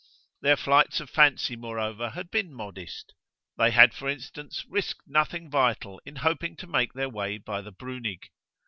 Their flights of fancy moreover had been modest; they had for instance risked nothing vital in hoping to make their way by the Brunig.